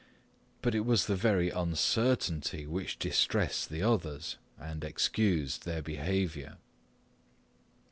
But it was the very uncertainty which distressed the others and excused their behaviour.